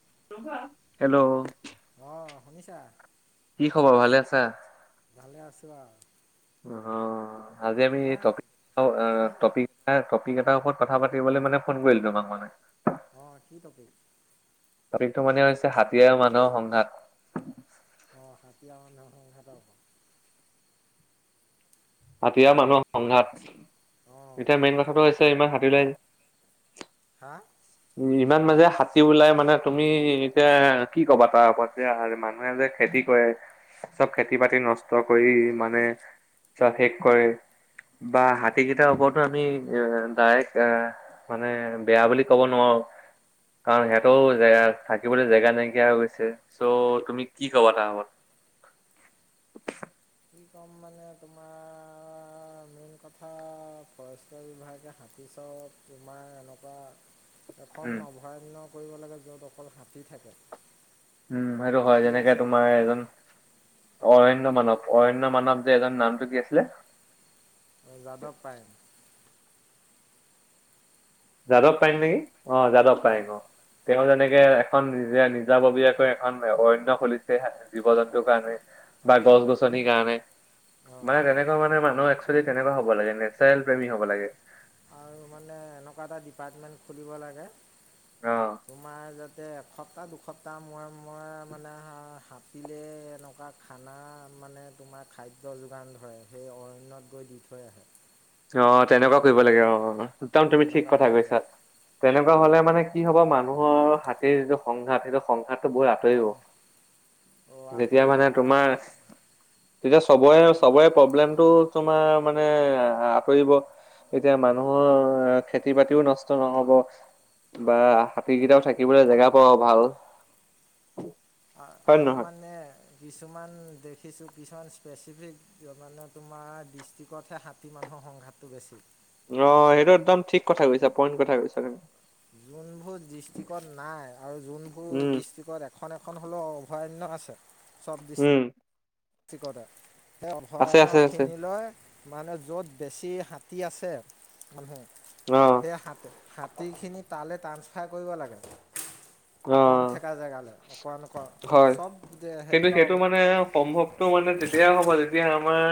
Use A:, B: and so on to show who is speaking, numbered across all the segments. A: Hello
B: অ', শুনিছা?
A: কি খবৰ ভালে আছা?
B: ভালে আছোঁ বাৰু।
A: অ', আজি আমি টপিক
B: হা
A: টপিক এটা টপিক এ এটা ওপৰত কথা পাতিবলৈ মানে ফোন কৰিলো তোমাক মানে।
B: অ', কি তপিক?
A: টপিকটো মানে হৈছে হাতী আৰু মানুহৰ সংঘাত।
B: অ', হাতী আৰু মানুহৰ সংঘাত।
A: হাতি আৰু মানুহৰ সংঘাত।
B: অঁ
A: এতিয়া মেইন কথাটো হৈছে ইমান হাতী ওলাই
B: হা
A: উম ইমান মাজে হাতী ওলাই মানে তুমি এতিয়া কি কবা তাৰ ওপৰত যে মানুহে যে খেতি কৰে। চব খেতি বাতি নষ্ট কৰি মানে চব শেষ কৰে। বা হাতী কেইটাৰ ওপৰতো আমি ডাইৰেক্ট এ মানে বেয়া বুলি ক'ব নোৱাৰো। অ'। কাৰণ সিহঁতেও
B: অঁ
A: জেগা থাকিবলৈ জেগা নাইকিয়া হৈ গৈছে। চ' তুমি কি কবা তাৰ ওপৰত? [inaudible]
B: কি ক'ম মানে তোমাৰ মেইন কথা ফৰেষ্টৰ বিভাগে শান্তি চব তোমাৰ এনেকুৱা
A: উম
B: এখন অভৰন্য য'ত অকল হাতী থাকে।
A: উম, সেইটো হয়,
B: ঠিক
A: যেনেকে
B: আছে
A: তোমাৰ এজন অৰণ্য মানৱ অৰণ্য মানৱ যে এজন নামটো কি আছিলে?
B: যাদৱ পায়েং।
A: যাদৱ পাৰিম নেকি অ' যাদৱ পায়েং
B: অঁ
A: অ'। তেওঁ যেনে এনেকে এখন নিজে নিজাববীয়াকৈ এখন অৰণ্য খুলিছে জীৱ জন্তুৰ কাৰণে। বা গছ গছনিৰ কাৰণে।
B: অঁ
A: মানে তেনেকুৱা মানে মানুহ এক্সোলি তেনেকুৱা হ'ব লাগে নেচাৰেল প্ৰেমী হ'ব লাগে।
B: আৰু মানে এনেকুৱা এটা ডিপাৰ্টমেণ্ট খুলিব লাগে।
A: অ
B: তোমাৰ যাতে এ এসপ্তাহ দুসপ্তাহ মূৰে মূৰে মানে হাতিলে এনেকুৱা খানা মানে তোমাৰ খাদ্য যোগান ধৰে। সেই অৰণ্যত গৈ দি থৈ আহে।
A: অ', তেনেকুৱা কৰিব লাগে অ' একদম তুমি ঠিক
B: তেনেকুৱা
A: কথা
B: কৰি
A: কৈছা
B: ওলাই
A: তেনেকুৱা হ'লে। মানে কি হ'ব মানুহৰ হাতীৰ যিটো সংঘাত সেইটো সংঘাত বহুত আঁতৰিব।
B: কম
A: তেতিয়া
B: আঁতৰিব
A: মানে
B: আৰু
A: তোমাৰ তেতিয়া চবৰে চবৰে প্ৰব্লেমটো তোমাৰ মানে আহ আঁতৰিব এতিয়া মানুহৰ খেতি বাতিও নষ্ট নহ'ব। বা হাতীকেইটাও থাকিবলৈ জেগা পাব ভাল। হয় নে
B: আৰু
A: নহয়?
B: মানে কিছুমান দেখিছো কিছুমান স্পেচিফিক মানে তোমাৰ ডিষ্ট্ৰিকতহে হাতী মানুহৰ সংঘাতটো বেছি।
A: অ', সেইটো একদম ঠিক কথা কৈছা পইণ্ট কথা কৈছা তুমি।
B: যোনবোৰ ডিষ্ট্ৰিকত নাই আৰু যোনবোৰ
A: উম,
B: ডিষ্ট্ৰিকত এখন এখন হ'লেও অভয়াৰণ্য আছে।
A: উম।
B: দিস্তিকৈলে সেই
A: আছে আছে আছে
B: অভয়াৰণ্যখিনিলৈ মানে য'ত বেছি হাতী আছে মানুহ
A: অ',
B: সেই হাতীখিনি তালৈ ট্ৰাসফাৰ কৰিব লাগে।
A: [inaudible]
B: কম থেকা জেগালৈ অকণ নক
A: হয়।
B: চব হেৰি ন।
A: তটো মানে তেতিয়া হ'বা তেতিয়া আমাৰ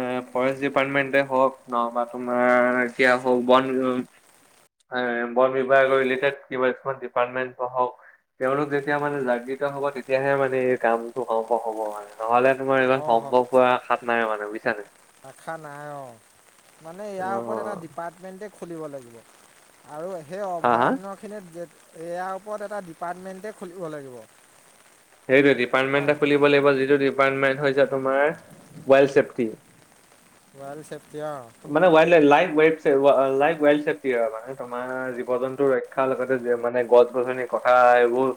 A: এ ফৰেষ্ট ডিপাৰ্টমেন্টে হওঁক নহ'বা তোমাৰ এতিয়া হওঁক বন বিভাগ বন বিভাগৰ ৰেলিটেড কিবা এনেকুৱা ডিপাৰ্টমেণ্ট হওঁক। তেওঁলোক যেতিয়া মানে জাগ্ৰীত হ'ব তেতিয়াহে মানে এই কামটো হওঁ হওঁ হ'ব মানে নহ'লে তোমাৰ ইমান
B: অঁ
A: সম্ভৱ পৰা আসাত নাই মানে বুজিছানে।
B: আখা নাই অ' মানে
A: অ
B: ইয়াৰ ওপৰত এটা ডিপাৰ্টমেণ্টেই খুলিব লাগিব। আৰু সেই
A: হা হা
B: অভয়াৰণ্যখিনিত ইয়াৰ ওপৰত এটা ডিপাৰ্টমেণ্টেই খুলিব লাগিব।
A: সেইটোৱে ডিপাৰ্টমেণ্ট
B: নাই
A: এটা খুলিব লাগিব যিটো ডিপাৰ্টমেণ্ট হৈছে তোমাৰ ৱেলড চছেফটি।
B: ৱেল্ড চেকটি অ'।
A: ল ৱেল্ড চেফটি হয় মানে তোমাৰ জীৱ জন্তু ৰক্ষাৰ লগতে মানে গছ গছনি কথা এইবোৰ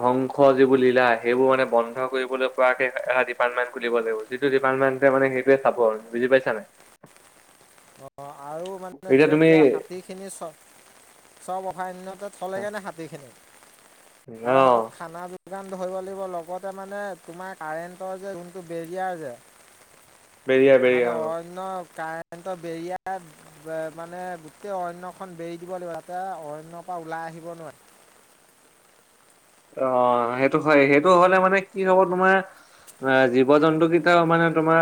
A: ধ্বংস যি বুলি সেইবোৰ মানে বন্ধ কৰিবলৈ পৰাকে এটা ডিপাৰ্টমেণ্ট খুলিব লাগিব। যিটো ডিপাৰ্টমেণ্টে মানে সেইটোৱে চাব। বুজি পাইছানে?
B: অ'। মানে য'ত
A: তুমি
B: যোৱা হাতীখিনি চ-চব অসাহনতে থ'লেগৈনে হাতীখিনি। আৰু
A: অ
B: সিহঁতক খানা যোগান ধৰিব লাগিব। লগতে মানে তোমাৰ কাৰেণ্টৰ যে যোনটো বেৰিয়াৰ
A: বেৰিয়া
B: যে
A: বেৰিয়া
B: মানে
A: অ
B: অৰণ্য কাৰেণ্টৰ বেৰিয়া মানে গোটেই অৰণ্যখন বেৰি দিব লাগিব, যাতে অৰণ্যৰ পৰা ওলাই আহিব নোৱাৰে।
A: [inaudible] অ', সেইটো হয়। সেইটো হ'লে মানে কি হ'ব তোমাৰ অ', জীৱ জন্তু কেইটাও মানে তোমাৰ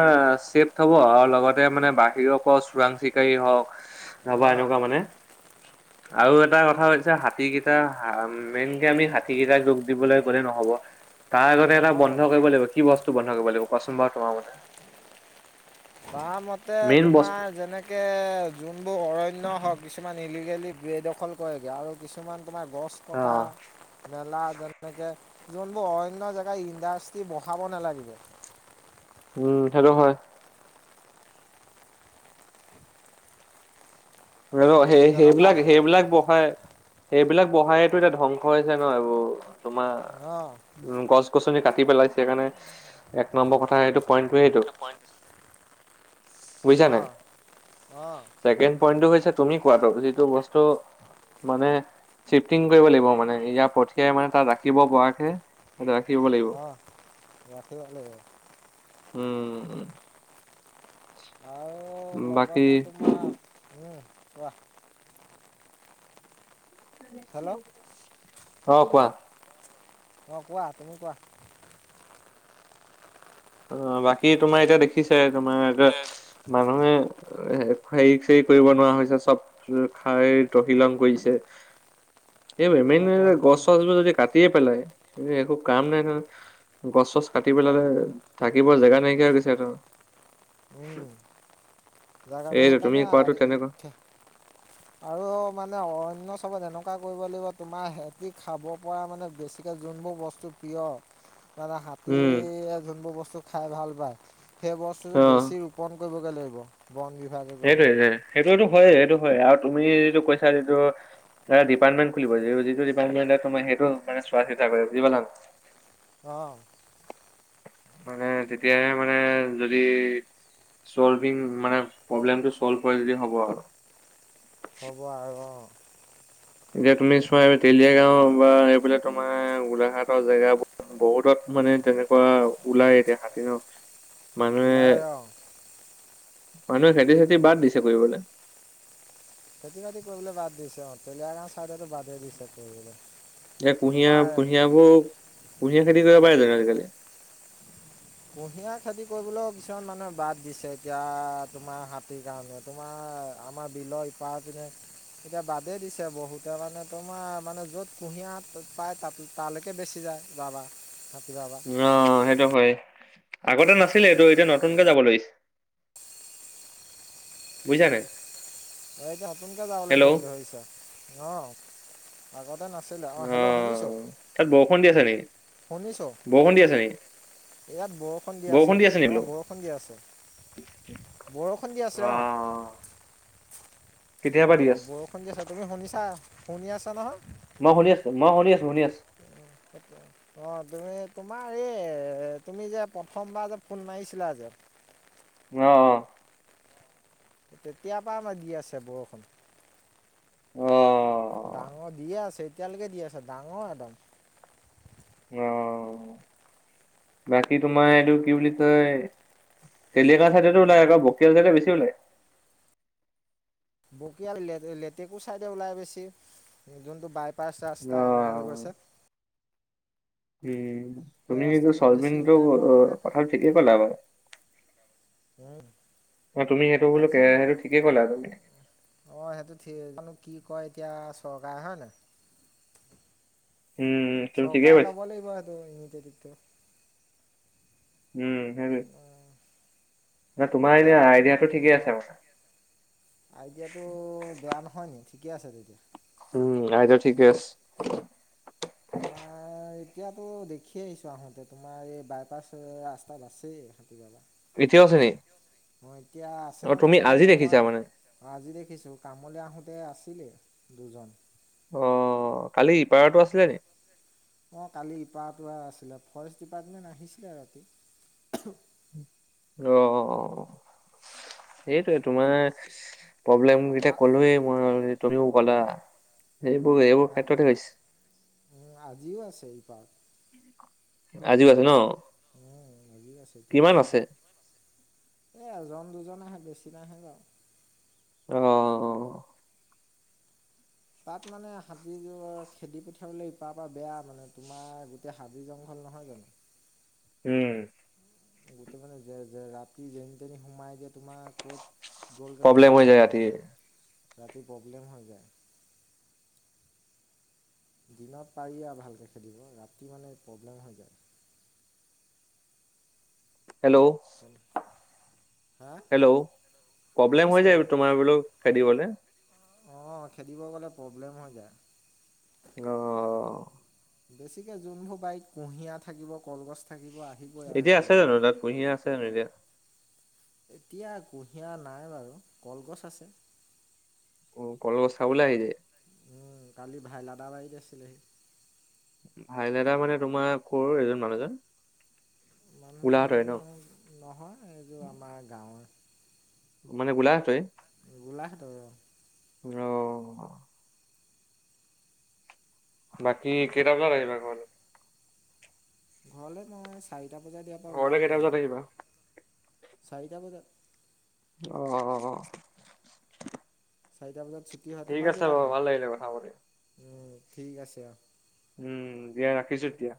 A: চছেফ হ'ব আৰু লগতে মানে বাহিৰৰ পৰা চোৰাং চ চিকাৰী হওঁক নহ'বা
B: অঁ
A: এনেকুৱা মানে। আৰু এটা কথা হৈছে হাতী কেইটা হা-ম মেইনকে আমি হাত- সিকেইটাক দোষ দিবলৈ গ'লে নহব। তাৰ আগতে এটা
B: নহ'ব
A: বন্ধ কৰিব লাগিব, কি বস্তু বন্ধ কৰিব লাগিব, কোৱাচোন তোমাৰ মতে?
B: মোৰ মতে
A: মেইন বস্তু
B: তোমাৰ যেনেকে যোনবোৰ অৰণ্য হওক, কিছুমান ই লিগেলী বেদখল কৰেগৈ। আৰু কিছুমান তোমাৰ গছ
A: অ
B: কতা-মেলা যেনেকে যোনবোৰ অৰণ্য জেগা, ইণ্ডাষ্ট্ৰী বহাব নেলাগিব।
A: উম, সেইটো হয়। হৈয়ো,
B: তেনেকুৱা
A: সেই-সেইবিলাক-সেইবিলাক বহায় সেইবিলাক বহাইতো এতিয়া ধ্বংস হৈছে ন' এইবোৰ। তোমাৰ,
B: অঁ
A: গছ-গছনি কাট টি পেলাইছে সেইকাৰণে। এক নম্বৰ কথা, সেইটো পইণ্টটোৱে সেইটো।
B: এইটো পইণ্ট
A: বুজিছা নে নাই?
B: অঁ অঁ
A: চেকেণ্ড পইন্টটো হৈছে তুমি কোৱাটো, যিটো বস্তু মানে শ্বিফটিং কৰিব লাগিব মানে। ইয়াৰ পঠিয়াই মানে তাত ৰাখিব পৰাকে তাত ৰাখিব লাগিব
B: অহ, ৰাখিব লাগিব।
A: উম।
B: আৰু
A: বাকী
B: লগতে তোমাৰ, উম কোৱা। হেল্ল'
A: অ' কোৱা।
B: অ' কোৱা। তুমি কোৱা।
A: অ', বাকী তোমাৰ এতিয়া দেখিছায়ে তোমাৰ, মানুহে অ', হে-হেৰি-চেৰি কৰিব নোৱাৰা হৈ যায়। চব খাই তহিলং কৰিছে। [inaudible] এই
B: অ
A: [unintelligible]
B: তহিলং
A: গছ-চছবোৰ যদি কাটিয়ে পেলায়, একো কাম নাই নহয়। গছ-চছ কাটি পেলালে, থাকিব জাগা নাইকিয়া হৈ গৈছে সিহঁতৰ।
B: উম। জাগা নে
A: এইটো তুমি
B: সেইকাৰণে আ
A: কোৱাটো তেনেকুৱা
B: আৰু মানে অৰন্য চবত এনেকুৱা কৰিব লাগিব, তোমাৰ সিহঁতি খাব পৰা মানে বেছিকে যোনবোৰ বস্তু প্ৰিয় মানে
A: উম
B: হাতীয়ে যোনবোৰ বস্তু খাই ভাল পায়, সেই
A: অ
B: বস্তুটো বেছি ৰূপণ কৰিবগৈ লাগিব। বন বিভাগে কৰিব
A: সেইটোৱে। সেইটোৱেইটো ভয়, সেইটো ভয়। আৰু তুমি যিটো কৈছা, যিটো আ' ডিপাৰ্টমেণ্ট খুলিব। যি যিটো ডিপাৰ্টমেণ্টত তুমা সেইটোও পাৰে চোৱা-চিতা কৰে, বুজি পালাং?
B: অহ।
A: [unintelligible] মানে তেতিয়াহে মানে, যদি চলভিং মানে প্ৰব্লেমটো চল্ভ হয় যদি হ'ব আৰু।
B: হ'ব আৰু অহ
A: এতিয়া তুমি চোৱা, এই তেলিয়াগাঁও বা এইফালে তোমাৰ গোলাঘাটৰ জেগাবোৰ বহুতত মানে তেনেকুৱা ওলায় এতিয়া হাতী মানুহে
B: ওলায়, অ'
A: মানুহে খেতি চেতি বাদ দিছে কৰিবলে।
B: খেতি বাতি কৰিবলে বাদ দিছে অ'। তেলীয়াগাঁও চাইডটো বাদেই দিছে কৰিবলৈ।
A: এ
B: তোমাৰ
A: কুঁহিয়া-কুঁহিয়াবোৰ, কুঁহিয়াৰ খেতি কৰিব পাৰে চোন আজিকালি।
B: কুঁহিয়াৰ খেতি কৰিবলৈও কিছুমান মানুহে বাদ দিছে, এতিয়া তোমাৰ হাতীৰ কাৰণে। তোমাৰ হয়, আমাৰ বিলৰ ইপাৰ পিনে এতিয়া বাদেই দিছে বহুতে মানে তোমাৰ মানে য'ত কুঁহিয়াৰ পা-পায় তাত তালৈকে বেছি যায়। [inaudible] বাবা। হাতী বাবা
A: অ', সেইটো হয়ে। আগতে নাছিলে এইটো। এতিয়া নতুনকে যাব লৈছে। বুজিছানে নাই?
B: অ' এতিয়া নতুনকে যাবলৈ
A: হেল্ল'
B: ধ-ধৰিছে, অহ। আগত
A: অহ, তাত বৰষুণ দি আছে নেকি?
B: শুনিছোঁ
A: বৰষুণ দি আছে নেকি?
B: ইয়াত বৰষুণ দি আছা, অ বৰষুণ দি আছে। বৰষুণ দি আছে অঁ
A: আহ।
B: অ বৰষুণ দি আছে। তুমি শুনিছা শুনি আছা নহয়?
A: মই শুনি আছো। মই শুনি আছো, শুনি আছো
B: [unintelligible] অ', তুমি তোমাৰ এই তুমি যে প্ৰথমবাৰ যে ফোন মাৰিছিলা যে।
A: অ', অ'।
B: তেতিয়াপা আমা দি আছে বৰষুণ।
A: অ
B: ডাঙৰ দিয়ে আছে এতিয়ালৈকে দি আছে ডাঙৰ একদম।
A: অ'। বাকী তোমাৰ এইটো কি বুলি কয় তেলিয়াগাওঁ চাইডতো ওলাই আকৌ বকিয়ল চাইডে বেছি ওলায়।
B: বকিয়াল [unintelligible] তেকো চাইডে ওলাই বেছি, যোনটো বাই পাছ
A: অ
B: ৰাস্তা এনাৰেল গৈছে।
A: উম,
B: সেই
A: তুমি কিন্তু
B: ৰাস্তাটোত বেছি
A: চলবিনটো
B: উলিয়াই মই
A: অ-কথাটো ঠিকেই কলা বাৰু।
B: উম
A: অ', তুমি সেইটো বলো
B: আজি মই
A: কে-সেইটো ঠিকেই ক'লা
B: অ সেইটো ঠিক
A: [unintelligible]
B: জানো কি কয় এতিয়া চৰকাৰে হয় নাই?।
A: উম তুমি ঠিকেই
B: চৰকাৰে
A: কৈছা
B: লব লাগিব এইটো [unintelligible] টো।
A: উম, সেইটোৱে। তোমাৰ
B: এতিয়া
A: এনে
B: তোমাৰ
A: আইডিয়াটো ঠিকেই
B: অ
A: আছে মানে।
B: আইডিয়াটো বেয়া নহয় নি, ঠিকে আছে তেতিয়া।
A: উম, আইডিয়া ঠিকে আছে [inaudible]
B: তোমাৰ এত তিয়াতো দেখি আহিছোঁ আহোঁতে, তোমাৰ এই বাইপাছ এ ৰাস্তাত আছেই।
A: এতিয়াও আছেনি?।
B: অ', এতিয়া আছেনে নাই
A: আজি
B: নাজানো
A: দেখিছা
B: মই,
A: মানে?
B: আজি দেখিছো কামলে আহোঁতে আছ ছিলে, দুজন।
A: অ', কালি ইপাৰতো আছিলে নি?।
B: অ', কালি ইপাৰটো আছিলে, ফৰেষ্ট ডিপাৰ্টমেণ্ট আহিছিলে ৰাতি।
A: [inaudible] অ', সেইটোৱেইটো মানে প্ৰব্লেম গিটা
B: আ
A: কলোৱে মই অলৰেডি, তুমিও ক'লা। এইবোৰ-এইবোৰ ক্ষেত্ৰতে হৈছে।
B: আজিও আছে ইপাৰত।
A: আজিও আছে ন।
B: উম, লাগি আছো এতিয়া
A: কিমান
B: আছো
A: আছে?
B: কিমান আছে। এ এজন দুজন নাহে বেছি নাহে বাৰু।
A: অ', অ'।
B: তাত মানে হাতিযোৰ খেদি পঠিয়াবলৈ ইপাৰ পৰা বেয়া মানে, তোমাৰ গোটেই হাবি জংঘল নহয় জানো।
A: [inaudible] উম।
B: গোটেই মানে ৰাতি যেনি তেনি সোমাই দিয় তোমাৰ ক'ত। গ'লগৈ
A: প্ৰব্লেম
B: ধৰিব
A: হৈ যায়
B: নোৱাৰি
A: ৰাতি।
B: ইতে ৰাতি প্ৰব্লেম হৈ যায়। দিনত পাৰি আৰু ভালকৈ ৰাতি মানে প্ৰব্লেম হৈ যায়।
A: হেল্ল'
B: হা
A: হেল্ল' প্ৰব্লেম হৈ
B: শুনিছোঁ
A: যায় তোমাৰ বোলো খেদিবলৈ।
B: অ', খেদিব গ'লে প্ৰব্লেম হৈ যায়।
A: অ'।
B: বেছিকে যোনভোৰ বাৰীত কুঁহিয়া থাকিব, কলগছ থাক
A: এতিয়া আছে জানো তাত কুঁহিয়া আছে জানো এতিয়া।
B: এতিয়া কুঁহিয়া নাই বাৰু, কলগছ আছে।
A: অ', কলগছ খাবলে আহি যায়।
B: উম, কালি ভাইলাদাৰ বাৰীত আছিলেহি।
A: ভাই দাদা মানে তোমাৰ কৰ এজন মানুহজন।
B: মানুহজন
A: গোলাঘাটৰে ন?
B: নহয় এইযোৰ আমাৰ গাঁৱৰে।
A: মানে গোলাঘাটৰ।
B: গোলাঘাটৰে।
A: অ' বাকী কেইটা বজা আহিবা ঘৰত।
B: ঘৰলৈ মই চাৰিটা বজাত ইয়াৰ পৰা
A: ঘৰলে
B: ওলাই
A: কেইটা
B: দিম
A: বজাত
B: আৰু।
A: আহিবা?
B: চাৰিটা বজাত।
A: আহ
B: চাৰিটা বজাত ছুটি হয়
A: ঠিক
B: তোমাৰ
A: আছে বাৰু ভাল লাগিলে কথা পাতি।
B: ঠিকে আছে।
A: উম, দিয়া ৰাখিছো এতিয়া।